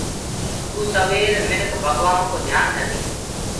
سبو سوير مِنک ڀگوآنو ڪو ڌيآن ڌري۔